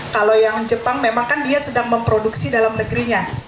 kalau yang jepang memang kan dia sedang memproduksi dalam negerinya